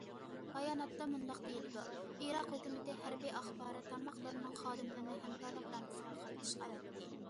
باياناتتا مۇنداق دېيىلىدۇ: ئىراق ھۆكۈمىتى ھەربىي ئاخبارات تارماقلىرىنىڭ خادىملىرىنى ھەمكارلىق رامكىسىغا قاتنىشىشقا ئەۋەتتى.